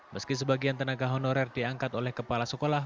meski sebagian tenaga honorer diangkat oleh kepala sekolah